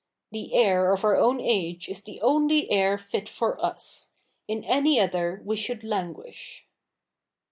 The air of our own age is the only air fit for us. In any other we should languish.'